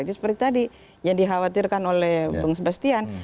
itu seperti tadi yang dikhawatirkan oleh bung sebastian